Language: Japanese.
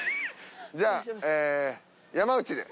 じゃあ山内で。